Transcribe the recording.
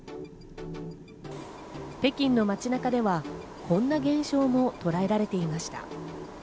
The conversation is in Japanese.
北京の街中では、こんな現象もとらえられていました。